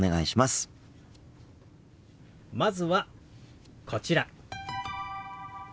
まずはこちら。